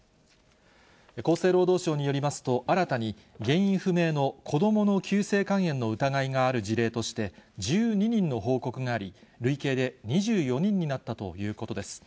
厚生労働省によりますと、新たに、原因不明の子どもの急性肝炎の疑いがある事例として、１２人の報告があり、累計で２４人になったということです。